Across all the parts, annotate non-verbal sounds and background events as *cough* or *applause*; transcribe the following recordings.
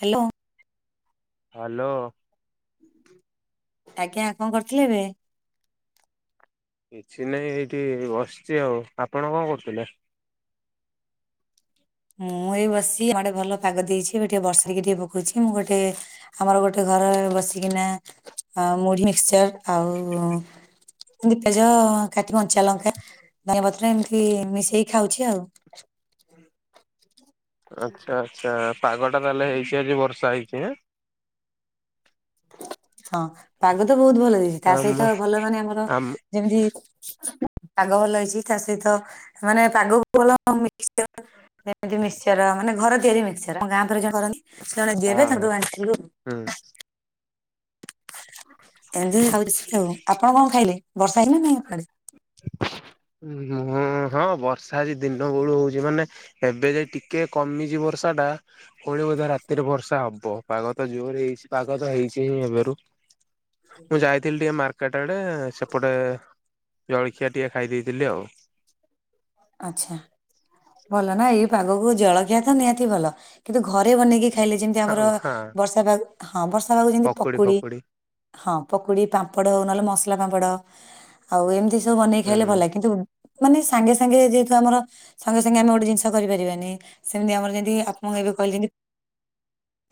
Hello. Hello. ଆଜ୍ଞା କଣ କରୁଥିଲେ ଏବେ? କିଛି ନାହିଁ ଏଇଠି ବସିଛି ଆଉ। ଆପଣ କଣ କରୁଥିଲେ? *unintelligible* ମୁଁ ଏଇ ବସି *unintelligible* ଟେ ଭଲ ପାଗ ଦେଇଛି, ଏବେ ଟିକେ ବର୍ଷା ଟିକେ ଟିକେ ପକଉଛି, ମୁଁ ଗୋଟେ ଆମର ଗୋଟେ ଘରେ ବସିକିନା ମୁଢ଼ି, ମିକ୍ସଚର ଆଉ ଏମତି ପିଆଜ, କାଟି କଞ୍ଚା ଲଙ୍କା, ଧନିଆ ପତ୍ର ଏମତି ମିଶେଇ ଖାଉଛି ଆଉ। ହଁ ଆଚ୍ଛା ଆଚ୍ଛା ପାଗ ଟା ତାହେଲେ ହେଇଛି ଆଜି ବର୍ଷା ହେଇଛି ଆଁ? ହଁ ପାଗ ତ ବହୁତ ଭଲ ଦେଇଛି। ତା ସହିତ ଆମ ଭଲ ମାନେ ଆମର ଆମ ଯେମିତି ପାଗ ଭଲ ହେଇଛି ତା ସହିତ, ମାନେ ପାଗକୁ ଭଲ ମିକ୍ସଚର୍ ଏନ୍ତି ମିକ୍ସଚର ମାନେ ଘର ତିଆରି ମିକ୍ସଚର। ଆମ ଗାଁ ପାଖରେ ଯୋଉ କରନ୍ତି ସେ ଜଣେ ହଁ ଦିଏବେ ହଁ ତାଙ୍କଠୁ ଆଣିଥିଲୁ ଏମିତି ଖାଉଥିଲି ଆଉ। ଆପଣ କଣ ଖାଇଲେ? ବର୍ଷା ହେଇଚି ନା ନାଇଁ ଆପଣଙ୍କ ଆଡ଼େ? ମୁଁ ହଁ ବର୍ଷା ଆଜି ଦିନ ବେଳୁ ହଉଛି, ମାନେ ଏବେ ଯାଇ ଟିକେ କମିଚି ବର୍ଷାଟା, ପୁଣି ବୋଧେ ରାତିରେ ବର୍ଷା ହବ। ପାଗ ତ ଜୋର ହେଇ କିଛି ପାଗ ତ ହେଇଛି ଏବେରୁ। ମୁଁ ଯାଇଥିଲି ଟିକେ ମାର୍କେଟ ଆଡେ ସେପଟେ ଜଳଖିଆ ଟିକେ ଖାଇ ଦେଇଥିଲି ଆଉ। ଆଚ୍ଛା ଭଲ ନା ଏଇ ପାଗକୁ ଜଳଖିଆ ତ ନିହାତି ଭଲ। କିନ୍ତୁ ଘରେ ବନେଇକି ଖାଇଲେ ଯେମିତି ଆମର ହଁ ହଁ ବର୍ଷା ପାଗ କୁ ହଁ ବର୍ଷା ପାଗକୁ ଯେମିତି ପକୁଡି ହଁ ପକୁଡି ପାମ୍ପଡ ହଉ ନହେଲେ ମସଲା ପାମ୍ପଡ। ଆଉ ଏମିତି ସବୁ ବନେଇ ଖାଇଲେ ଭଲ। ହୁଁ କିନ୍ତୁ ମାନେ ସାଙ୍ଗେ ସା ସାଙ୍ଗେ ଯେହେତୁ ଆମର ସଙ୍ଗେ ସଙ୍ଗେ ଆମେ ଗୋଟେ ଜିନିଷ କରିପାରିବାନି। ସେମିତି ଆମର ଯେମିତି ଆପ ଏବେ କହିଲେ ଯେମି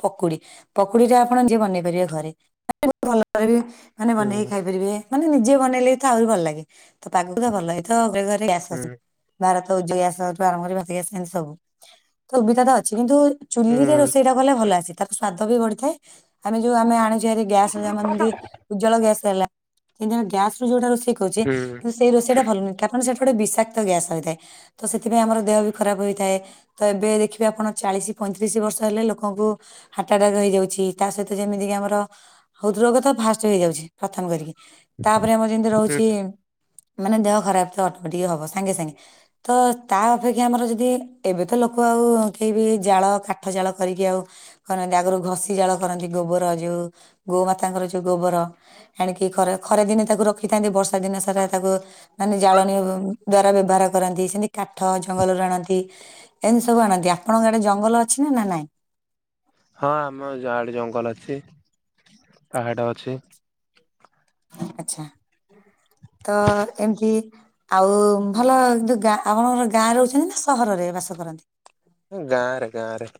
ପକୁଡି ପକୁଡି ଟା ଆପଣ ନିଜେ ବନେଇ ପାରିବେ ଘରେ। *unintelligible* ମାନେ ବନେଇକି ହୁଁ ଖାଇ ପାରିବେ। ମାନେ ନିଜେ ବନେଇଲେ ତ ଆହୁରି ଭଲ ଲାଗେ। ତ ପାଗକୁ ତ ଭଲ ହୁଁ ଲାଗେ। *unintelligible* *unintelligible* ଭାରତ ଉଜ୍ଜ ଗ୍ୟାସ୍ ଠୁ ଆରମ୍ଭ କରିକି ଭାରତ ଗ୍ୟାସ୍ ସେମିତି ସବୁ ତ ସୁବିଧା ତ ଅଛି। କିନ୍ତୁ ଚୁଲି ରେ ହୁଁ ରୋଷେଇ ଟା କଲେ ଭଲ ଆସେ। ତାର ସ୍ଵାଦ ବି ବଢିଥାଏ। ଆମେ ଯୋଉ ଆମେ ଆଣି ତିଆରି ଗ୳୲ସ ଏମାନେ ଯେମିତି ଉଜ୍ଜଳା ଗ୍ୟାସ୍ ହେଲା। ଏଇ ଯେମିତି ଗ୍ୟାସ୍ ରୁ ଯୋଉଟା ରୋଷେ କହୁଛି ହୁଁ କିନ୍ତୁ ସେଇ ରୋଷଟା ଭଲ ନୁହେଁ। କାରଣ ସେଟା ଗୋଟେ ବିଷାକ ଗ୍ୟାସ ହୋଇଥାଏ ତ ସେଥିପାଇଁ ଆମର ଦେହ ବି ଖରାପ ହେଇଥାଏ। ତ ଏବେ ଦେଖିବେ ଆପଣ ଚାଳିଶ ପଇତିରିଶ ବ ଷ ହେଲେ ଲୋକଙ୍କୁ ହାର୍ଟ ଆଟା ହେଇଯାଉଛି। ତା ସହିତ ଯେମିତି କି ଆମର ହୃଦ ରୋଗ ତ ଫାଷ୍ଟ ହେଇଯାଉ ଛି ପ୍ରଥମ କରିକି। ତାପରେ ଆମର ଯେମିତି ହୁଁ। ରହୁଛି ମାନେ ଦେହ ଖରାପ ଅଟୋମଟିକ ହବ। ସ ସାଙ୍ଗେ ସାଙ୍ଗେ ତ ତା ଅପେକ୍ଷା ଆମର ଯଦି ଏବେ ତ ଲୋକ ଆଉ କେହି ବି ଜାଳ କାଠ ଜାଳ କରିକି ଆଉ କରନ୍ତି ଆଗରୁ ଘଷି ଜାଳ କରନ୍ତି। ଗୋବର ଯୋଉ ଗୋମାତାଙ୍କର ଯୋଉ ଗୋବର। ହେଣିକି ଖରା ଖରା ଦିନେ ତାକୁ ରଖିଥାନ୍ତି। ବର୍ଷା ଦିନେ ସାରା ତାକୁ ମାନେ ଜାଳଣୀୟ ଦ୍ଵାରା ବ୍ୟବହାର କରନ୍ତି। ସେମିତି କାଠ ଜଙ୍ଗଲରୁ ଆଣନ୍ତି। ଏମିତି ସବୁ ଆଣନ୍ତି ଆପଣଙ୍କ ଆଡେ ଜଙ୍ଗଲ ଅଛି ନା? ନା ନାଇଁ? ହଁ ଆମ ଯାହାଡେ ଜଙ୍ଗଲ ଅଛି ପାହାଡ ଅଛି। ଆଚ୍ଛା। ତ ଏମିତି ଆଉ ଭଲ ଯୋଉ ଗାଁ ଆପଣଙ୍କର ଗାଁ ରହୁଛନ୍ତି ନା ସହରରେ ବାସ କର। ନ୍ତି। ଗାଁରେ ଗାଁରେ।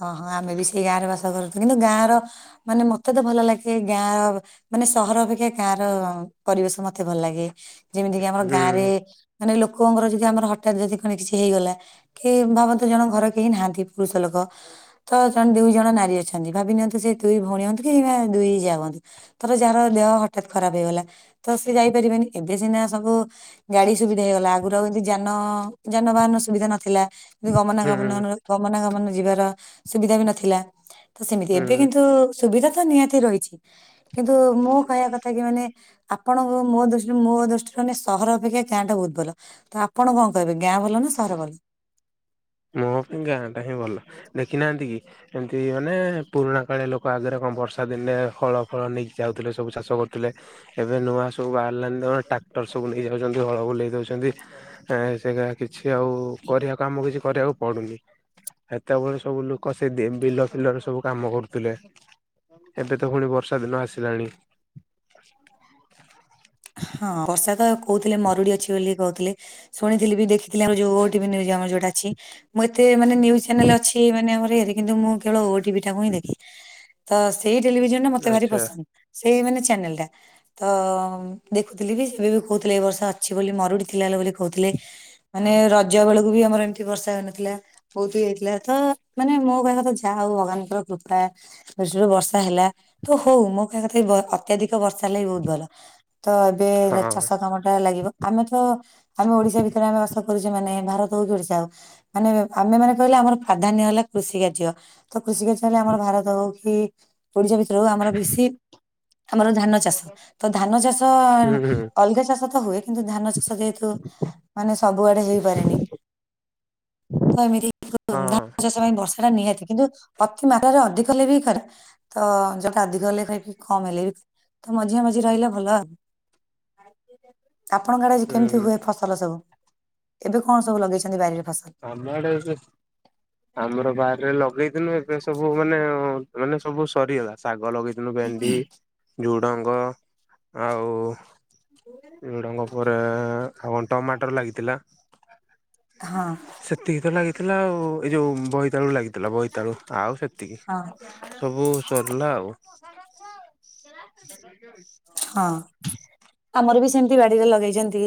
ହଁ ହଁ ଆମେ ବି ସେଇ ଗାଁରେ ବାସ କରୁଛୁ କିନ୍ତୁ ଗାଁର ମାନେ ମତେ ତ ଭଲ ଲାଗେ। ଗାଁ ମାନେ ସହର ଅପେକ୍ଷା ଗାଁର ପରିବେଶ ମତେ ଭଲ ଲାଗେ। ଯେମିତି କି ଆମର ଗାଁରେ ହୁଁ ମାନେ ଲୋକଙ୍କର ଯଦି ଆମର ହଠାତ୍ ଯଦି କଣ କିଛି ହେଇଗଲା। କି ଭାବନ୍ତୁ ଜଣଙ୍କ ଘରେ କେହି ନାହାନ୍ତି ପୁରୁଷ ଲୋକ। ହ *unintelligible* ତ ଜଣେ ଦୁଇ ଜଣ ନାରୀ ଅଛନ୍ତି ଭାବି ନିଅନ୍ତୁ। ସେ ଦୁଇ ଭଉଣୀ ହୁଅନ୍ତୁ କି ଦି ଯା ହୁଅନ୍ତୁ। ଧର ଯାହାର ହଠାତ୍ ଖରାପ ହେଇଗଲା ତ ସେ ଯାଇପାରିବେନି। ଏବେ ସିନା ସବୁ ଗାଡି ସୁବିଧା ହେଇଗଲା। ଆଗରୁ ଆଉ ଏମିତି ଯାନ ଯାନବାହାନ ସୁବିଧା ନଥିଲା। ହୁଁ ଗମନାଗମନ ନ ଗମନାଗମନ ଯିବାର ସୁବିଧା ବି ନଥିଲା। ତ ସେମିତି ଏବେ ହୁଁ କିନ୍ତୁ ସୁବିଧା ତ ନିହାତି ରହିଛି। କିନ୍ତୁ ମୁଁ କହିବା କଥା କି ମାନେ ଆପଣଙ୍କ ମୋ ଦୃଷ୍ଟିରୁ ମୋ ଦୃଷ୍ଟିରୁ ମାନେ ସହର ଅପେକ୍ଷା ଗାଁ ଟା ବହୁତ ଭଲ। ତ ଆପଣ କଣ କହିବେ। ଗାଁ ଭଲ ନା ସହର ଭଲ। ମୋ ପାଇଁ ଗାଁ ଟା ହିଁ ଭଲ ଦେଖିନାହାନ୍ତିକି? ଏମତି ମାନେ ପୁରୁଣା କାଳିଆ ଲୋକ ଲୋକ ଆଗରେ କଣ ବର୍ଷା ଦିନେ ଫଳ ଫଳ ନେଇକି ଯାଉଥିଲେ ସବୁ ଚାଷ କରୁଥିଲେ। ଏବେ ନୂଆ ସବୁ ବାହାରଲାନ୍ ଟ୍ରାକ୍ଟର ସବୁ ନେଇଯାଉଛନ୍ତି ହଳ ବୁଲେଇ ଦେଉଚନ୍ତି। ସେ କିଛି ଆଉ କରିହିବାକୁ ଆମକୁ କି କରିବାକୁ ପଡୁନି। ହେତେବେଳେ ସବୁ ଲୋକ ସେ ବିଲ ଫିଲରେ ସବୁ କାମ କରୁଥିଲେ। ଏବେ ତ ଫୁଣି ବର୍ଷା ଦିନ ଆସିଲାଣି। ହଁ ବର୍ଷା କହୁଥିଲେ ମରୁଡି ଅଛି ବୋଲି କହୁଥିଲେ। ଶୁଣିଥିଲି ବି ଦେଖିଥିଲି ଆ ଯୋଉ ଓ ଟି ଭି ନିଉଜ ଅମର ଯୋଉଟା ଅଛି। ମୁଁ ଏତେ ମାନେ ନିୟୁଜ୍ ଚ୍ୟାନେଲ ଅଛି। ମାନେ ଆମ ଇଏରେ କିନ୍ତୁ ମୁଁ କେବଳ ଓ ଟି ଭି ଟାକୁ ହିଁ ଦେଖେ। ତ ସେଇ ଟେଲିଭିଜନ ଟା ମତେ ଭାରି ଆଚ୍ଛା ପସନ୍ଦ। ସେଇ ମାନେ ଚ୍ୟାନେଲ ଟା। ତ ଦେଖୁଥିଲି ବି ଏବେ ବି କହୁଥିଲେ। ଏ ବର୍ଷ ଅଛି ବୋଲି ମରୁଡି ଥିଲା ହେଲା ବୋଲି କହୁଥିଲେ। ମାନେ ରଜ ବେଳକୁ ବି ଆମର ଏମିତି ବର୍ଷା ହଉନଥିଲା ବହୁତ ଇଏ ହେଇଥିଲା ତ ମାନେ ମୋ କହିବା କଥା ଯା ଆଉ ଭଗବାନଙ୍କର କୃପା ଦୃଷ୍ଟିରୁ ବର୍ଷା ହେଲା ତ ହଉ ମୋ କହିବା କଥା ବି ଅତ୍ୟଧିକ୍ *inaudible* ବର୍ଷା ହେଲେ ବି ବହୁତ ଭଲ। ତ ଏବେ ହଁ ଚାଷ କାମଟା ଲାଗିବ ଆମେ ତ ଆମେ ଓଡିଶା ଭିତରେ ଆମେ ଆସ *inaudible* ମାନେ ଭାରତ ହଉ କି ଓଡିଶା ହଉ ମାନେ ଆମେମାନେ କହିଲେ ଆମର ପ୍ରାଧାନ୍ୟ ହେଲା କୃଷି କାର୍ଯ୍ୟ ତ କୃଷି କାର୍ଯ୍ୟ ହେଲେ ଆମର ଭାରତ ହଉ କି ଓଡିଶା ଭିତରେ ହଉ ଆମର ବେଶୀ ଆମର ଧାନ ଚାଷ ତ ଧାନ ଚାଷ ହୁଁ ହୁଁ ଅଲଗା ଚାଷ ତ ହୁଏ। କିନ୍ତୁ ଧାନ ଚାଷ ଯେହେତୁ ମାନେ ସବୁଆଡେ ହେଇପାରେନି ତ ଏମିତି ଧାନ ହଁ ଚାଷ ପାଇଁ ବର୍ଷାଟା ନିହାତି କିନ୍ତୁ ଅତି ମାତ୍ରାରେ ଅଧିକ ହେଲେ ବି ଖରାପ ତ ଯୋଉଟା ଅଧିକ ହେଲେ *inaudible* କମ ହେଲେ ବି ତ ମଝିଆ ମଝି ରହିଲେ ଭଲ ଆଉ। ଆପଣଙ୍କ ଆଡେ କେମିତି ହୁଁ ହୁଏ ଫସଲ ସବୁ, ଏବେ କଣ ସବୁ ଲଗେଇଛନ୍ତି ବାରିରେ? ଫସଲ ଆମ ଆଡେ ଏବେ ଆମର ବାରିରେ ଲଗେଇଥିଲୁ ଏ ଏ ସବୁ ମାନେ ମାନେ ସବୁ ସରିଗଲା ଶାଗ ଲଗେଇଥିଲୁ ଭେଣ୍ଡି ଝୁଡ଼ଙ୍ଗ ଆଉ ଝୁଡ଼ଙ୍ଗ ପରେ ଆଉ କଣ ଟମାଟର ଲାଗିଥିଲା। ହଁ ସେତିକି ତ ଲାଗିଥିଲା ଆଉ ଏଇ ଯୋଉ ବଇ ବଇତାଳୁ ଲାଗିଥିଲା ବୋଇତାଳୁ ଆଉ ସେତିକି ହଁ ସବୁ ସରିଲା ଆଉ। *inaudible* ହଁ। ଆମର ବି ସେମିତି ବାଡିରେ ଲଗେଇଛନ୍ତି,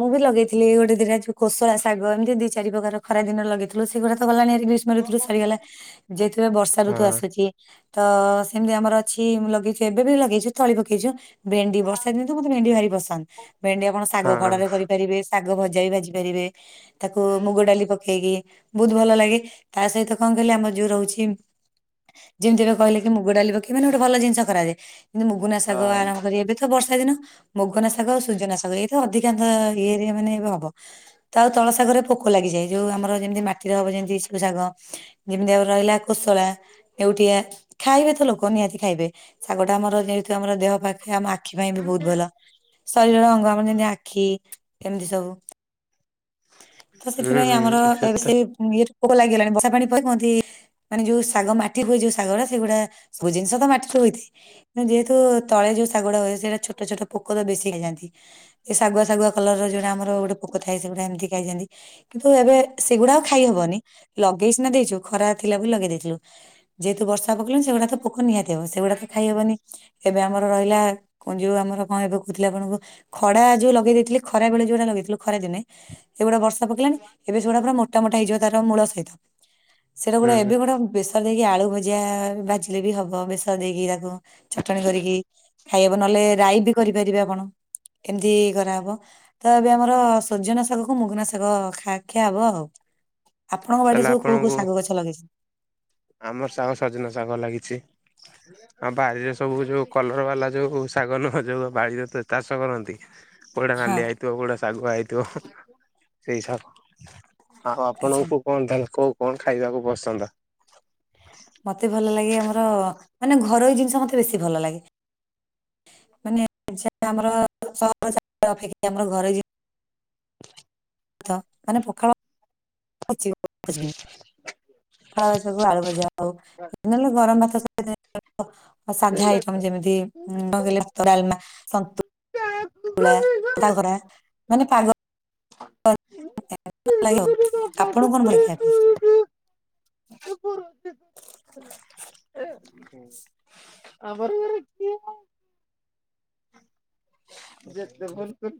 ମୁଁ ବି ଲଗେଇଥିଲି ଗୋଟେ ଦିଟା ଯୋଉ କୋଶଳା ଶାଗ ଏମିତି ଦି ଚାରି *inaudible* ପ୍ରକାର ଖରା ଦିନ ଲଗେଇଥିଲୁ ସେଗୁରା ତ ଗଲାଣିହେରି। ଗ୍ରୀଷ୍ମ ଋତୁୁରେ ସରିଗଲା ଯେହେତୁ ଏବେ ବର୍ଷା ଋତୁ ଆସୁଚି। ତ ସେମିତି ଆମର ଅଛି ମୁଁ ଲଗେଇଛୁ ଏବେ ବି ଲଗେଇଛୁ ତଳି ପକେଇଛୁ ଭେଣ୍ଡି, ବର୍ଷା ଦିନେ ତ ମୋତେ ଭେଣ୍ଡି ଭାରି ପସନ୍ଦ, ଭେଣ୍ଡି ଆପଣ ହଁ ଶାଗ ହଁ। ଖଡାରେ କରିପାରିବେ ଶାଗ ଭଜା ବି ଭାଜି ପାରିବେ। ତାକୁ ମୁଗ ଡାଲି ପକେଇକି ବହୁତ ଭଲ ଲାଗେ ତା ସହିତ କଣ କହିଲେ ଆମର ଯୋଉ ରହୁଛି ଯେମିତି ଏବେ କହିଲେ କି ମୁଗ ଡାଲି ପକେଇକି ମାନେ ଗୋଟେ ଭଲ ଜିନିଷ କରାଯାଏ କିନ୍ତୁ ମୁୁଗୁନା ଶାଗ ଆଣ ଏବେ ତ ବର୍ଷା ଦିନ, ମୋଗନା ଶାଗ ସୁଜନା ଶାଗ ଆଉ ଏ ଅଧିକାଂଶ ଇଏ ମାନେ ଏବେ ହବ, ତ ଆଉ ତଳଶାଗରେ ପୋକ ଲାଗିଯାଏ ଯୋଉ ଆମର ଯେମିତି ମାଟିରେ ହେବ ଏମିତି ସବୁ ଶାଗ, ଯେମିତି ଆଉ ରହିଲା କୋଶଳା ଲେଉଟିଆ ଖାଇବେ ତ ଲୋକ ନିହାତି ଖାଇ ବେ, ଶାଗଟା ଆମର ଯେହେତୁ ଆମ ଦେହପା *inaudible* ଆମ ଆଖି ପାଇଁ ବି ବହୁତ ଭଲ, ଶରୀରର ଅଙ୍ଗ ଆମର ଯେମତି ଆଖି ଏମିତି ସବୁ ତ ସେଥିପାଇଁ ଆମର ହୁଁ ଏବେ ସେତେ ସେଇ ଇଏରୁ ପୋକ ଲାଗିଗଲାଣି ବର୍ଷା ପାଣି *unintelligible* ମାନେ ଯୋଉ ଶାଗ ମାଟି ହୁଏ ଯୋଉ ଶାଗଗୁରା ସେଗୁଡା ସବୁ ଜିନିଷ ତ ମାଟିଠୁ *inaudible* ଯେହେତୁ ତଳେ ଯୋଉ ଶାଗଗୁଡା ହୁଏ ସେଟା ଛୋଟ ଛୋଟ ପୋକ ତ ବେଶୀ ଖାଇଯାଆନ୍ତି ସେ ଶାଗ *inaudible* ଶାଗୁଆ କଲର ଯୋଉ ଯୋଉଟା ଆମର ଗୋଟେ ପୋକ ଥାଏ ସେଗୁରା ଏମତି ଖାଇଯାଆନ୍ତି, କିନ୍ତୁ ଏବେ ସେଗୁଡା ଆଉ ଖାଇହବନି। ଲଗେଇ ସିନା ଦେଇଛୁ ଖରା ଥିଲା ବୋଲି ଲଗେଇ ଦେଇଥିଲୁ। ଯେହେତୁ ବର୍ଷା ପକାଇଲାଣି ସେଗୁଡାକ ତ ପୋକ ନିହାତି ହବ ସେଗୁଡାକ ଖାଇ ହବନି। ଏବେ ଆମର ରହିଲା, କଣ ଯୋଉ ଆମର କଣ ଏବେ କହୁଥିଲେ ଆପଣଙ୍କୁ ଖଡା ଯୋଉ ଲଗେଇ ଦେଇଥିଲି ଖରାବେଳେ ଯୋଉଗୁରା ଲଗେଇଥିଲୁ ଖରାଦିନେ ଏଗୁଡା ବର୍ଷା ପକେଇଲାଣି, ଏବେ ସେଗୁଡା ପୁରା ମୋଟ ମୋଟା ହେଇଯିବ ତାର ମୂଳ ସହିତ ସେଇଟା ଗୋଟେ ହୁଁ ଏବେ ଗୋଟେ ବେସର ଦେଇକି ଆଳୁ ଭୁଜିଆ ଭାଜିଲେ ବି ହବ ବେସର ଦେଇକି ତାକୁ ଚଟଣି କରିକି ଖାଇହେବ ନହଲେ ରାଇ ବି କରିପାରିବେ ଆପଣ, ଏମିତି କରାହେବ, ତ ଏବେ ଆମର ସଜନା ଶା ଶାଗକୁ ମୁଗୁନା ଶାଗ ଖା ଖିଆ ହବ ଆଉ, ଆପଣଙ୍କ ବାଡିରେ ତାହେଲେ ସବୁ କୋଉ କୋଉ ଆପଣଙ୍କୁ ଶାଗ ଗଛ ଲଗେଇଛନ୍ତି? ଆମର ଶାଗ ସଜନା ଶାଗ ଲାଗିଛି। ଆମ ବାରିରେ ସବୁ ଯୋଉ କଲର ବାଲା ଯୋଉ ଶାଗ ନୁହଁ ଯୋଉ ବାଡିରେ ତ ଚାଷ କରନ୍ତି କୋଉଟା ହଁ ନାଲିଆ ହେଇଥିବ କୋଉଟା ଶାଗୁଆ ହେଇଥିବ, ସେଇ ଶାଗ। ଆଉ ଆଚ୍ଛା ଆପଣଙ୍କୁ କଣଟା କୋଉ କଣ ଖାଇବାକୁ ପସନ୍ଦ? ମତେ ଭଲ ଲାଗେ, ଆମର ମାନେ ଘରୋଇ ଜିନିଷ ମତେ ବେଶୀ ଭଲ ଲାଗେ। ମାନେ ଯା ଆମର ସହ ଅପେକ୍ଷା ଆମର ଘରେ ଯେମିତି ପଖାଳ ଭାତ ଅଛି ଆଉକିଛି ଖୋଜିବିନି ପଖାଳଭାତକୁ ଆଳୁ ଭଜା ଆଉନହଲେ ଗରମ ଭାତକୁ ସାଧା ଆଇଟମ୍ ଯେ ମତି କ *inaudible* ଭାତଡାଲମା, ସନ୍ତୁ ସନ୍ତୁଳା ପାଘରା ମାନେ ପାଗ *inaudible* ଆପଣଙ୍କୁ କଣ ଭଲଲାଗେ ଖାଇବାକୁ? *inaudible* ଆବର। ଯେତେ ଭଲ କରୁ।